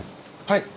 はい。